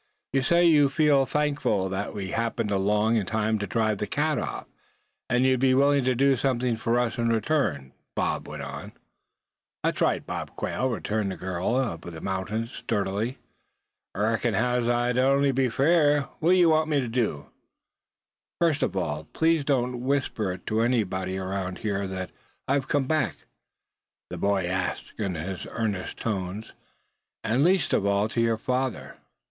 "You say you feel thankful that we happened along in time to drive that cat off; and you'd be willing to do something for us in return?" Bob went on. "Thet's right, Bob Quail," returned the girl of the mountains sturdily. "Reckons as how it'd on'y be fair. What ye want me to do?" "First of all, please don't whisper it to anybody around here that I have come back," the boy asked in his earnest tones; "and least of all to your father.